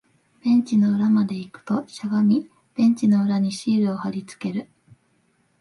ベンチの裏まで行くと、しゃがみ、ベンチの裏にシールを貼り付ける